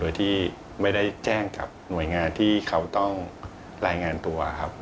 โดยที่ไม่ได้แจ้งกับหน่วยงานที่เขาต้องรายงานตัวครับ